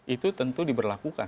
itu tentu diberlakukan